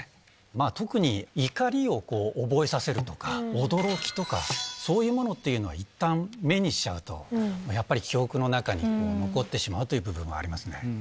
まあ、特に怒りを覚えさせるとか、驚きとか、そういうものっていうのは、いったん目にしちゃうと、やっぱり記憶の中に残ってしまうという部分はありますね。